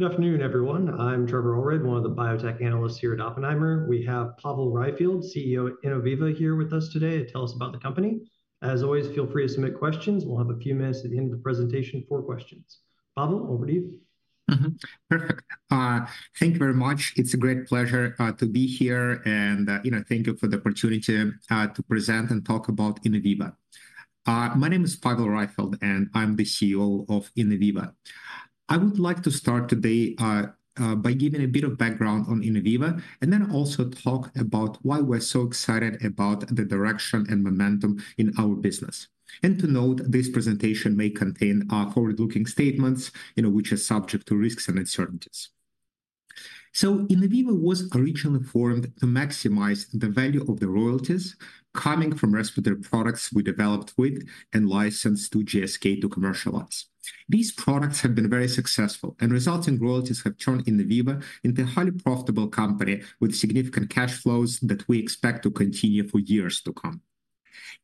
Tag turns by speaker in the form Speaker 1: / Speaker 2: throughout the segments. Speaker 1: Good afternoon, everyone. I'm Trevor Allred, one of the biotech analysts here at Oppenheimer. We have Pavel Raifeld, CEO at Innoviva here with us today to tell us about the company. As always, feel free to submit questions. We'll have a few minutes at the end of the presentation for questions. Pavel, over to you.
Speaker 2: Perfect. Thank you very much. It's a great pleasure to be here. Thank you for the opportunity to present and talk about Innoviva. My name is Pavel Raifeld, and I'm the CEO of Innoviva. I would like to start today by giving a bit of background on Innoviva and then also talk about why we're so excited about the direction and momentum in our business. To note, this presentation may contain forward-looking statements, which are subject to risks and uncertainties. Innoviva was originally formed to maximize the value of the royalties coming from respective products we developed with and licensed to GSK to commercialize. These products have been very successful, and resulting royalties have turned Innoviva into a highly profitable company with significant cash flows that we expect to continue for years to come.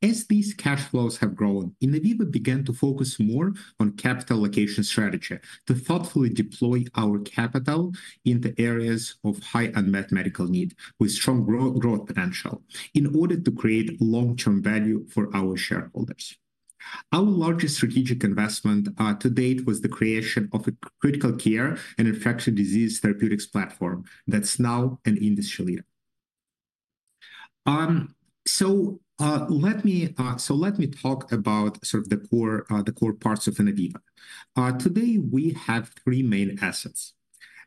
Speaker 2: As these cash flows have grown, Innoviva began to focus more on capital allocation strategy to thoughtfully deploy our capital in the areas of high unmet medical need with strong growth potential in order to create long-term value for our shareholders. Our largest strategic investment to date was the creation of a critical care and infectious disease therapeutics platform that's now an industry leader. So let me talk about sort of the core parts of Innoviva. Today, we have three main assets.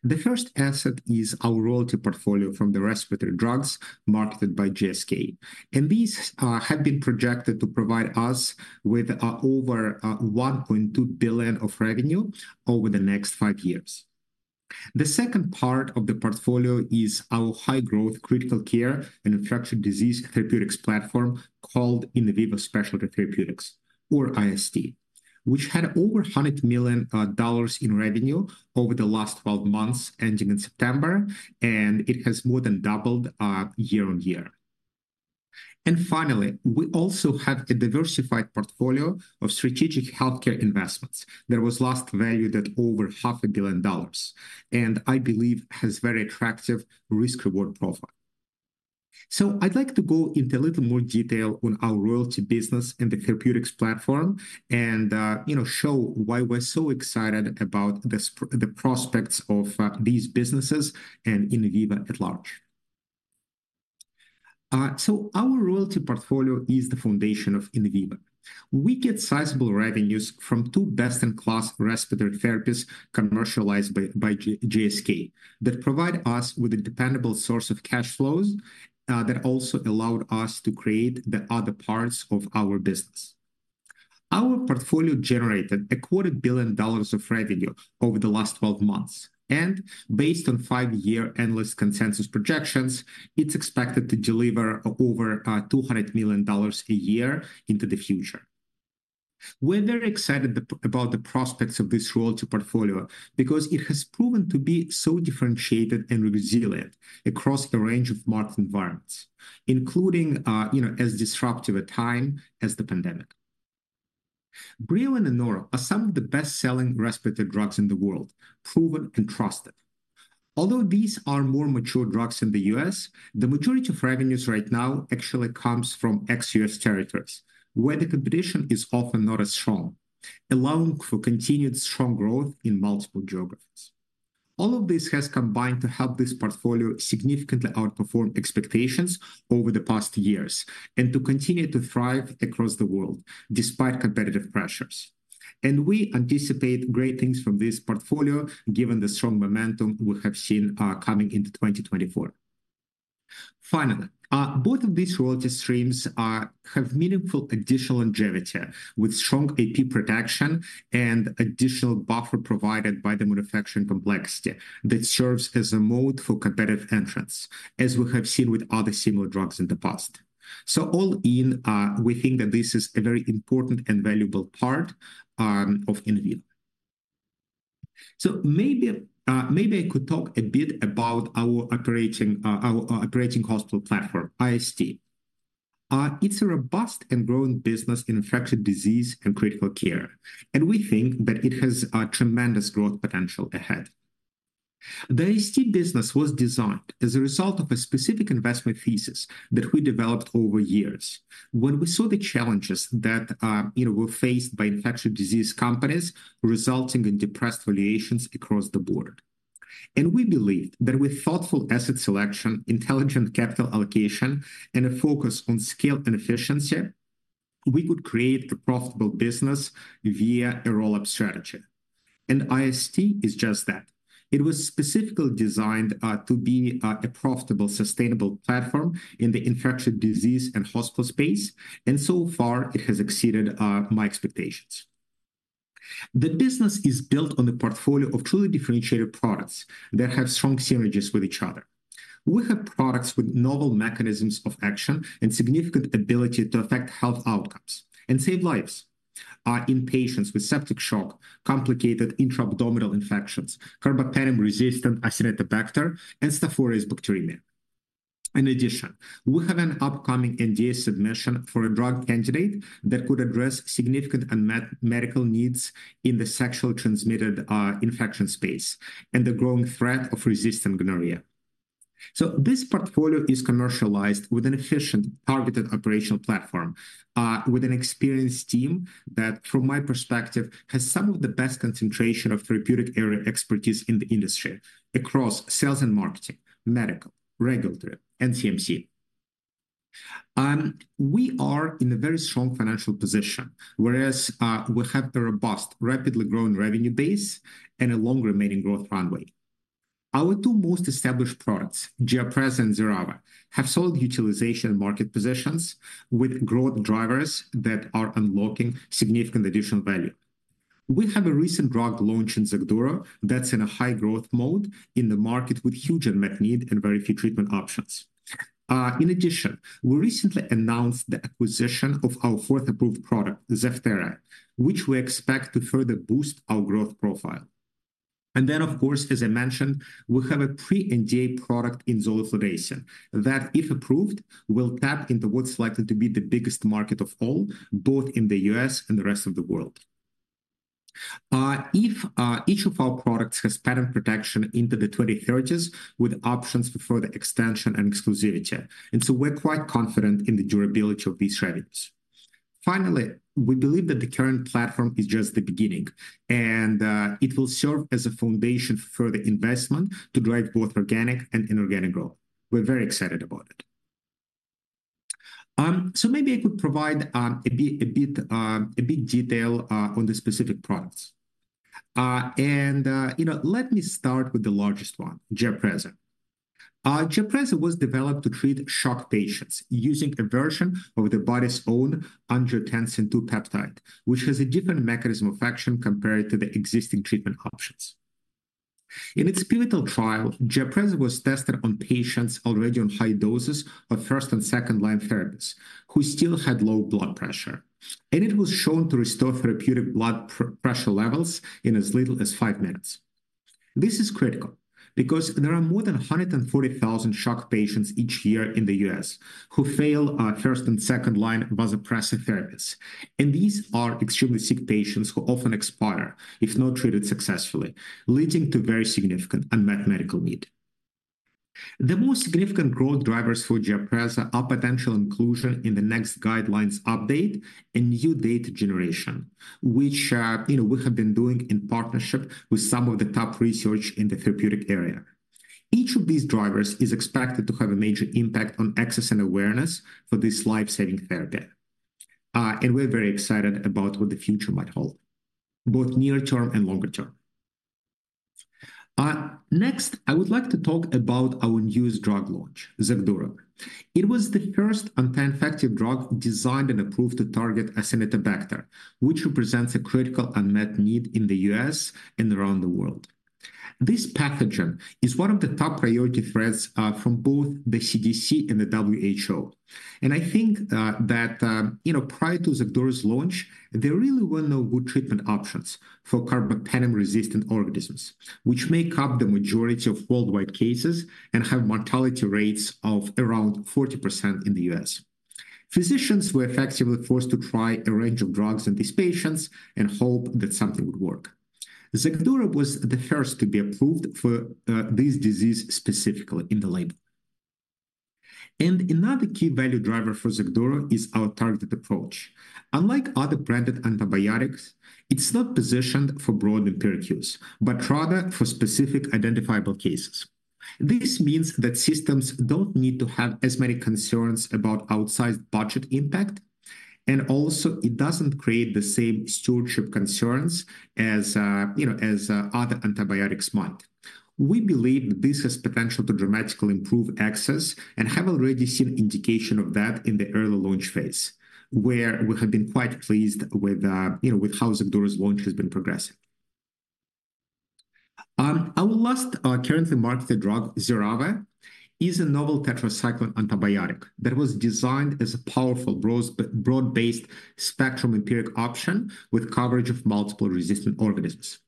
Speaker 2: The first asset is our royalty portfolio from the respiratory drugs marketed by GSK. And these have been projected to provide us with over $1.2 billion of revenue over the next five years. The second part of the portfolio is our high-growth critical care and infectious disease therapeutics platform called Innoviva Specialty Therapeutics, or IST, which had over $100 million in revenue over the last 12 months ending in September, and it has more than doubled year on year. And finally, we also have a diversified portfolio of strategic healthcare investments that was last valued at over $500 million and I believe has a very attractive risk-reward profile. So I'd like to go into a little more detail on our royalty business and the therapeutics platform and show why we're so excited about the prospects of these businesses and Innoviva at large. So our royalty portfolio is the foundation of Innoviva. We get sizable revenues from two best-in-class respiratory therapies commercialized by GSK that provide us with a dependable source of cash flows that also allowed us to create the other parts of our business. Our portfolio generated $250 million of revenue over the last 12 months, and based on five-year analyst consensus projections, it's expected to deliver over $200 million a year into the future. We're very excited about the prospects of this royalty portfolio because it has proven to be so differentiated and resilient across the range of market environments, including as disruptive a time as the pandemic. Breo and Anoro are some of the best-selling respiratory drugs in the world, proven and trusted. Although these are more mature drugs in the U.S., the majority of revenues right now actually comes from ex-U.S. territories where the competition is often not as strong, allowing for continued strong growth in multiple geographies. All of this has combined to help this portfolio significantly outperform expectations over the past years and to continue to thrive across the world despite competitive pressures. And we anticipate great things from this portfolio given the strong momentum we have seen coming into 2024. Finally, both of these royalty streams have meaningful additional longevity with strong IP protection and additional buffer provided by the manufacturing complexity that serves as a moat for competitive entrance, as we have seen with other similar drugs in the past. So all in, we think that this is a very important and valuable part of Innoviva. So maybe I could talk a bit about our operating hospital platform, IST. It's a robust and growing business in infectious disease and critical care. And we think that it has a tremendous growth potential ahead. The IST business was designed as a result of a specific investment thesis that we developed over years when we saw the challenges that were faced by infectious disease companies resulting in depressed valuations across the board. And we believe that with thoughtful asset selection, intelligent capital allocation, and a focus on scale and efficiency, we could create a profitable business via a roll-up strategy. And IST is just that. It was specifically designed to be a profitable, sustainable platform in the infectious disease and hospital space. And so far, it has exceeded my expectations. The business is built on a portfolio of truly differentiated products that have strong synergies with each other. We have products with novel mechanisms of action and significant ability to affect health outcomes and save lives in patients with septic shock, complicated intra-abdominal infections, carbapenem-resistant Acinetobacter, and Staph aureus bacteremia. In addition, we have an upcoming NDA submission for a drug candidate that could address significant medical needs in the sexually transmitted infection space and the growing threat of resistant gonorrhea. So this portfolio is commercialized with an efficient, targeted operational platform with an experienced team that, from my perspective, has some of the best concentration of therapeutic area expertise in the industry across sales and marketing, medical, regulatory, and CMC. We are in a very strong financial position, whereas we have a robust, rapidly growing revenue base and a long remaining growth runway. Our two most established products, Giapreza and Xerava, have solid utilization and market positions with growth drivers that are unlocking significant additional value. We have a recent drug launch in Xacduro that's in a high growth mode in the market with huge unmet need and very few treatment options. In addition, we recently announced the acquisition of our fourth approved product, Zevtera, which we expect to further boost our growth profile. And then, of course, as I mentioned, we have a pre-NDA product in zoliflodacin that, if approved, will tap into what's likely to be the biggest market of all, both in the U.S. and the rest of the world. Each of our products has patent protection into the 2030s with options for further extension and exclusivity. And so we're quite confident in the durability of these revenues. Finally, we believe that the current platform is just the beginning, and it will serve as a foundation for further investment to drive both organic and inorganic growth. We're very excited about it. Maybe I could provide a bit of detail on the specific products. Let me start with the largest one, Giapreza. Giapreza was developed to treat shock patients using a version of the body's own angiotensin II peptide, which has a different mechanism of action compared to the existing treatment options. In its pivotal trial, Giapreza was tested on patients already on high doses of first and second-line therapies who still had low blood pressure. It was shown to restore therapeutic blood pressure levels in as little as five minutes. This is critical because there are more than 140,000 shock patients each year in the U.S. who fail first and second-line vasopressin therapies. These are extremely sick patients who often expire if not treated successfully, leading to very significant unmet medical need. The most significant growth drivers for Giapreza are potential inclusion in the next guidelines update and new data generation, which we have been doing in partnership with some of the top research in the therapeutic area. Each of these drivers is expected to have a major impact on access and awareness for this lifesaving therapy, and we're very excited about what the future might hold, both near-term and longer-term. Next, I would like to talk about our newest drug launch, Xacduro. It was the first anti-infective drug designed and approved to target Acinetobacter, which represents a critical unmet need in the U.S. and around the world. This pathogen is one of the top priority threats from both the CDC and the WHO. I think that prior to Xacduro's launch, there really were no good treatment options for carbapenem-resistant organisms, which make up the majority of worldwide cases and have mortality rates of around 40% in the U.S. Physicians were effectively forced to try a range of drugs in these patients and hope that something would work. Xacduro was the first to be approved for this disease specifically in the label. Another key value driver for Xacduro is our targeted approach. Unlike other branded antibiotics, it's not positioned for broad empiric use, but rather for specific identifiable cases. This means that systems don't need to have as many concerns about outsized budget impact. Also, it doesn't create the same stewardship concerns as other antibiotics might. We believe that this has potential to dramatically improve access and have already seen indication of that in the early launch phase, where we have been quite pleased with how Xacduro's launch has been progressing. Our last currently marketed drug, Xerava, is a novel tetracycline antibiotic that was designed as a powerful broad-spectrum empiric option with coverage of multiple resistant organisms.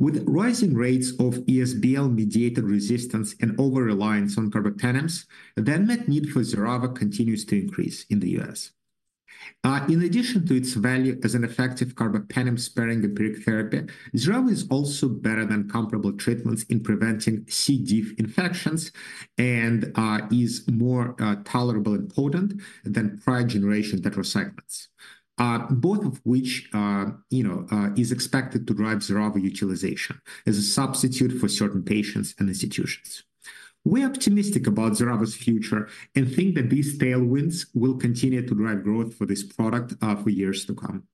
Speaker 2: With rising rates of ESBL-mediated resistance and over-reliance on carbapenems, the unmet need for Xerava continues to increase in the U.S. In addition to its value as an effective carbapenem-sparing empiric therapy, Xerava is also better than comparable treatments in preventing C. diff infections and is more tolerable and potent than prior-generation tetracyclines, both of which are expected to drive Xerava utilization as a substitute for certain patients and institutions. We're optimistic about Xerava's future and think that these tailwinds will continue to drive growth for this product for years to come.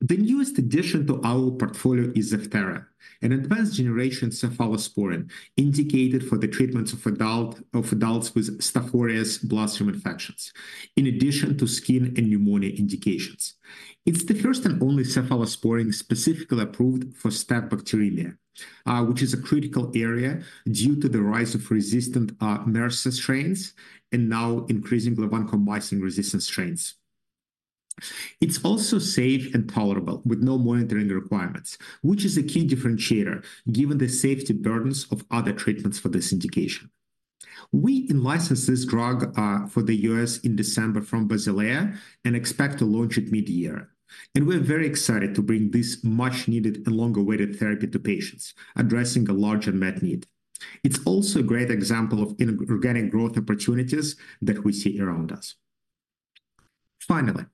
Speaker 2: The newest addition to our portfolio is Zevtera, an advanced generation cephalosporin indicated for the treatment of adults with Staph aureus bacteremia, in addition to skin and pneumonia indications. It's the first and only cephalosporin specifically approved for Staph bacteremia, which is a critical area due to the rise of resistant MRSA strains and now increasingly vancomycin-resistant strains. It's also safe and tolerable with no monitoring requirements, which is a key differentiator given the safety burdens of other treatments for this indication. We licensed this drug for the U.S. in December from Basilea and expect to launch it mid-year, and we're very excited to bring this much-needed and long-awaited therapy to patients, addressing a larger unmet need. It's also a great example of inorganic growth opportunities that we see around us. Finally,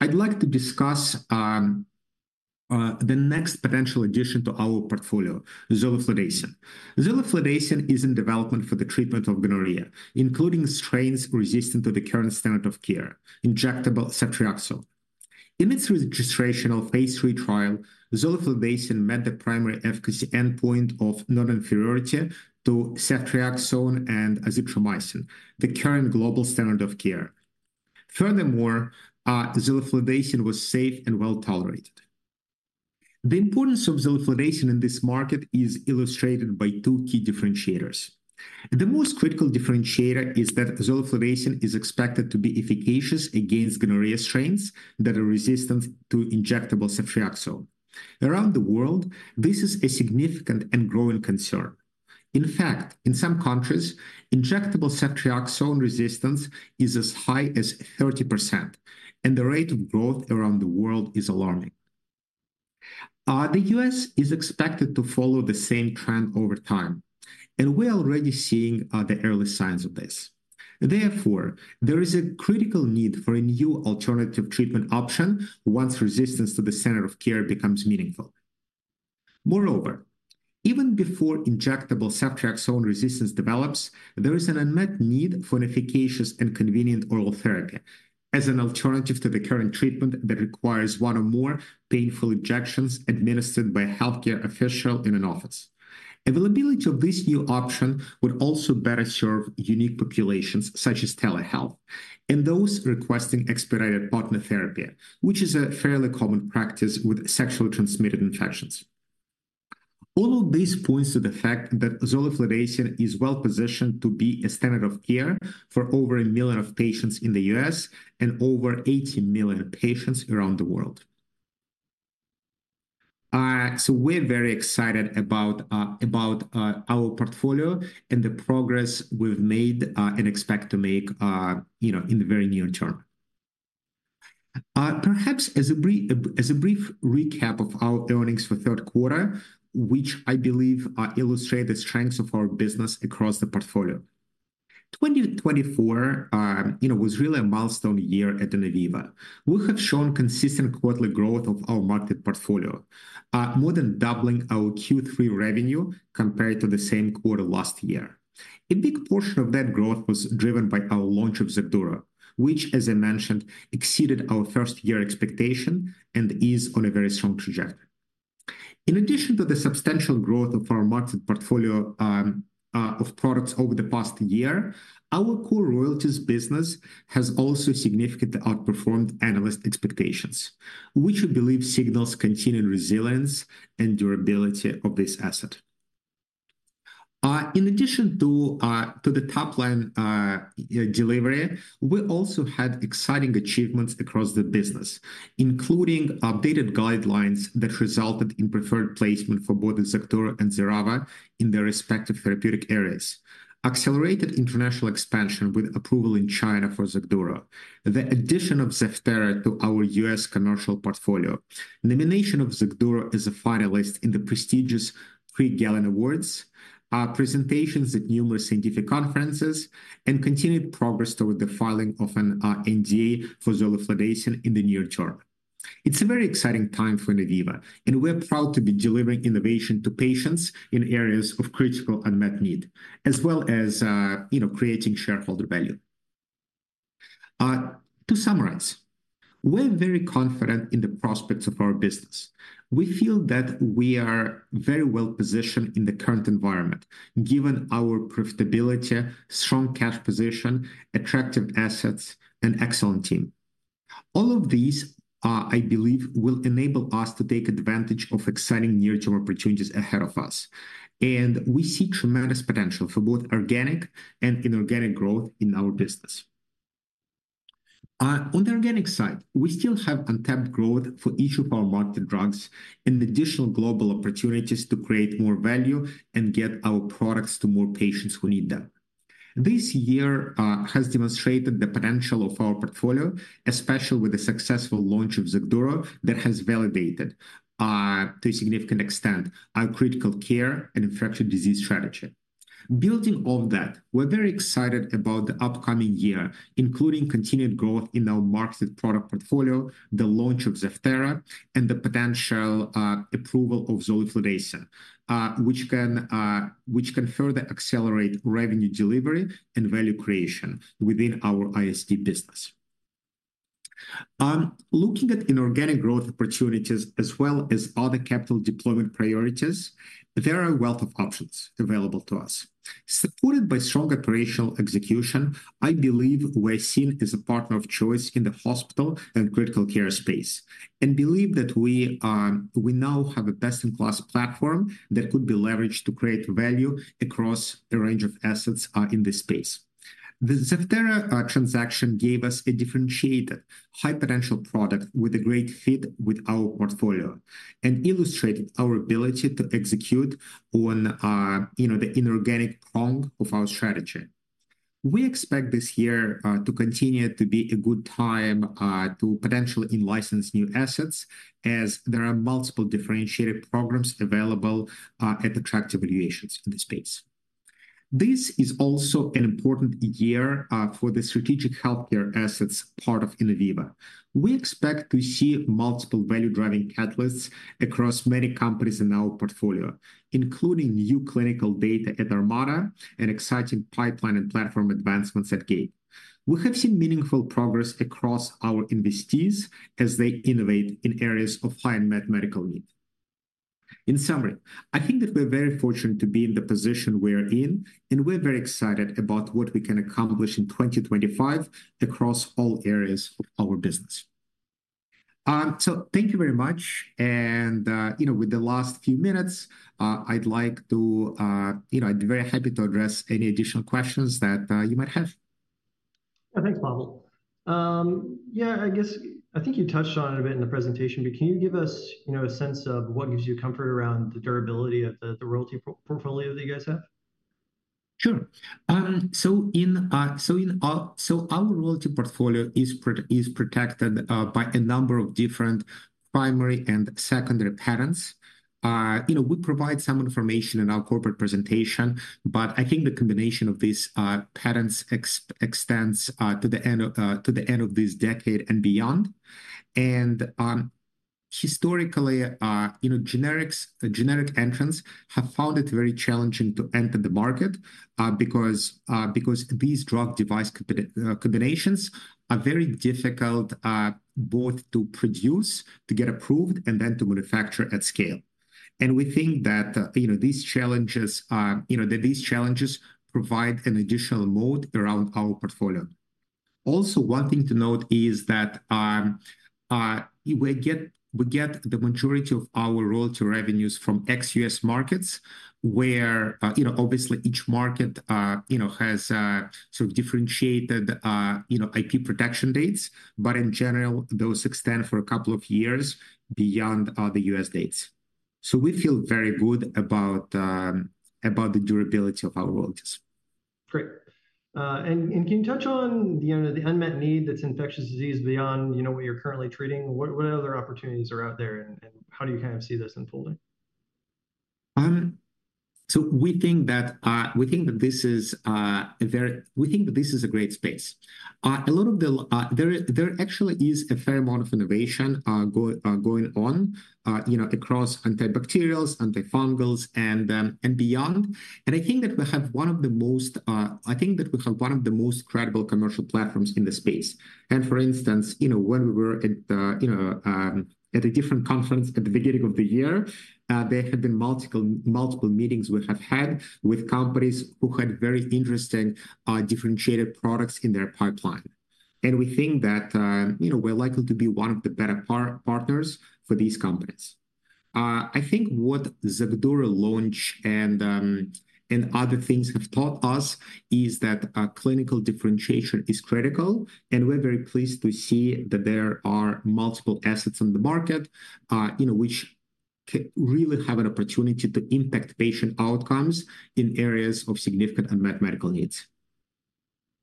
Speaker 2: I'd like to discuss the next potential addition to our portfolio, zoliflodacin. zoliflodacin is in development for the treatment of gonorrhea, including strains resistant to the current standard of care, injectable ceftriaxone. In its registrational Phase 3 trial, zoliflodacin met the primary efficacy endpoint of non-inferiority to ceftriaxone and azithromycin, the current global standard of care. Furthermore, zoliflodacin was safe and well tolerated. The importance of zoliflodacin in this market is illustrated by two key differentiators. The most critical differentiator is that zoliflodacin is expected to be efficacious against gonorrhea strains that are resistant to injectable ceftriaxone. Around the world, this is a significant and growing concern. In fact, in some countries, injectable ceftriaxone resistance is as high as 30%, and the rate of growth around the world is alarming. The U.S. is expected to follow the same trend over time, and we're already seeing the early signs of this. Therefore, there is a critical need for a new alternative treatment option once resistance to the standard of care becomes meaningful. Moreover, even before injectable ceftriaxone resistance develops, there is an unmet need for an efficacious and convenient oral therapy as an alternative to the current treatment that requires one or more painful injections administered by a healthcare official in an office. Availability of this new option would also better serve unique populations such as telehealth and those requesting expedited partner therapy, which is a fairly common practice with sexually transmitted infections. All of these points to the fact that zoliflodacin is well positioned to be a standard of care for over a million patients in the U.S. and over 80 million patients around the world. So we're very excited about our portfolio and the progress we've made and expect to make in the very near term. Perhaps as a brief recap of our earnings for third quarter, which I believe illustrate the strengths of our business across the portfolio. 2024 was really a milestone year at Innoviva. We have shown consistent quarterly growth of our market portfolio, more than doubling our Q3 revenue compared to the same quarter last year. A big portion of that growth was driven by our launch of Xacduro, which, as I mentioned, exceeded our first-year expectation and is on a very strong trajectory. In addition to the substantial growth of our market portfolio of products over the past year, our core royalties business has also significantly outperformed analyst expectations, which we believe signals continued resilience and durability of this asset. In addition to the top-line delivery, we also had exciting achievements across the business, including updated guidelines that resulted in preferred placement for both Xacduro and Xerava in their respective therapeutic areas, accelerated international expansion with approval in China for Xacduro, the addition of Zevtera to our U.S. commercial portfolio, nomination of Xacduro as a finalist in the prestigious Prix Galien Awards, presentations at numerous scientific conferences, and continued progress toward the filing of an NDA for zoliflodacin in the near term. It's a very exciting time for Innoviva, and we're proud to be delivering innovation to patients in areas of critical unmet need, as well as creating shareholder value. To summarize, we're very confident in the prospects of our business. We feel that we are very well positioned in the current environment, given our profitability, strong cash position, attractive assets, and excellent team. All of these, I believe, will enable us to take advantage of exciting near-term opportunities ahead of us, and we see tremendous potential for both organic and inorganic growth in our business. On the organic side, we still have untapped growth for each of our market drugs and additional global opportunities to create more value and get our products to more patients who need them. This year has demonstrated the potential of our portfolio, especially with the successful launch of Xacduro that has validated, to a significant extent, our critical care and infectious disease strategy. Building on that, we're very excited about the upcoming year, including continued growth in our marketed product portfolio, the launch of Zevtera, and the potential approval of zoliflodacin, which can further accelerate revenue delivery and value creation within our IST business. Looking at inorganic growth opportunities as well as other capital deployment priorities, there are a wealth of options available to us. Supported by strong operational execution, I believe we're seen as a partner of choice in the hospital and critical care space and believe that we now have a best-in-class platform that could be leveraged to create value across a range of assets in this space. The Zevtera transaction gave us a differentiated, high-potential product with a great fit with our portfolio and illustrated our ability to execute on the inorganic prong of our strategy. We expect this year to continue to be a good time to potentially license new assets as there are multiple differentiated programs available at attractive valuations in this space. This is also an important year for the strategic healthcare assets part of Innoviva. We expect to see multiple value-driving catalysts across many companies in our portfolio, including new clinical data at Armata and exciting pipeline and platform advancements at Gate. We have seen meaningful progress across our investees as they innovate in areas of high unmet medical need. In summary, I think that we're very fortunate to be in the position we're in, and we're very excited about what we can accomplish in 2025 across all areas of our business. So thank you very much. And with the last few minutes, I'd like to, I'd be very happy to address any additional questions that you might have.
Speaker 1: Yeah, thanks, Pavel. Yeah, I guess I think you touched on it a bit in the presentation, but can you give us a sense of what gives you comfort around the durability of the royalty portfolio that you guys have?
Speaker 2: Sure. Our royalty portfolio is protected by a number of different primary and secondary patents. We provide some information in our corporate presentation, but I think the combination of these patents extends to the end of this decade and beyond. Historically, generic entrants have found it very challenging to enter the market because these drug-device combinations are very difficult both to produce, to get approved, and then to manufacture at scale. We think that these challenges provide an additional moat around our portfolio. Also, one thing to note is that we get the majority of our royalty revenues from ex-U.S. markets, where obviously each market has sort of differentiated IP protection dates, but in general, those extend for a couple of years beyond the U.S. dates. We feel very good about the durability of our royalties.
Speaker 1: Great. Can you touch on the unmet need that's infectious disease beyond what you're currently treating? What other opportunities are out there, and how do you kind of see this unfolding?
Speaker 2: We think that this is a great space. There actually is a fair amount of innovation going on across antibacterials, antifungals, and beyond. We have one of the most credible commercial platforms in the space. For instance, when we were at a different conference at the beginning of the year, there had been multiple meetings we have had with companies who had very interesting differentiated products in their pipeline. We think that we're likely to be one of the better partners for these companies. I think what Xacduro launch and other things have taught us is that clinical differentiation is critical, and we're very pleased to see that there are multiple assets on the market which really have an opportunity to impact patient outcomes in areas of significant unmet medical needs,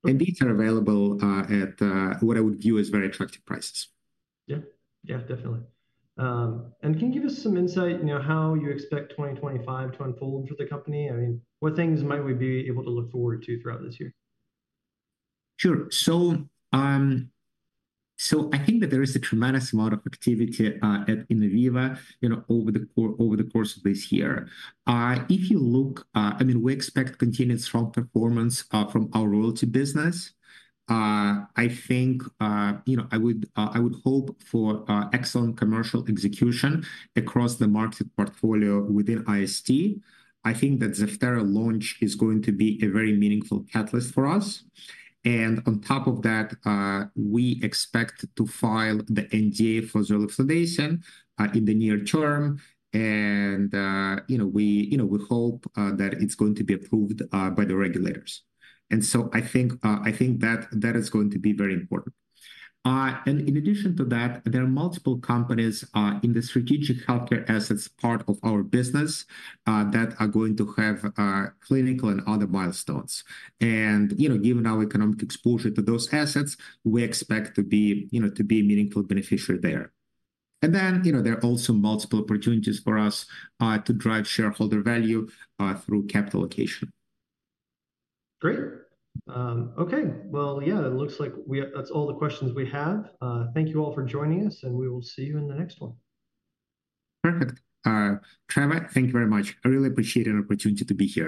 Speaker 2: and these are available at what I would view as very attractive prices.
Speaker 1: Yeah, yeah, definitely. Can you give us some insight how you expect 2025 to unfold for the company? I mean, what things might we be able to look forward to throughout this year?
Speaker 2: Sure. There is a tremendous amount of activity at Innoviva over the course of this year. If you look, I mean, we expect continued strong performance from our royalty business. I think I would hope for excellent commercial execution across the market portfolio within IST. I think that Zevtera launch is going to be a very meaningful catalyst for us, and on top of that, we expect to file the NDA for zoliflodacin in the near term, and we hope that it's going to be approved by the regulators, and so I think that that is going to be very important. In addition to that, there are multiple companies in the strategic healthcare assets part of our business that are going to have clinical and other milestones, and given our economic exposure to those assets, we expect to be a meaningful beneficiary there, and then there are also multiple opportunities for us to drive shareholder value through capital allocation.
Speaker 1: Great. Okay. Well, yeah, it looks like that's all the questions we have. Thank you all for joining us, and we will see you in the next one.
Speaker 2: Perfect. Trevor, thank you very much. I really appreciate an opportunity to be here.